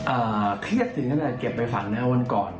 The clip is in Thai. เอ่อเครียดถึงขั้นว่าเก็บไปฝันนะวันก่อน